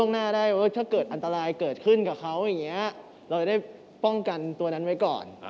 อันนี้เรื่องจริงเข้าใจยากมาก